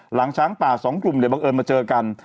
หลังช้างป่าสองกลุ่มเนี่ยบังเอิญมาเจอกัน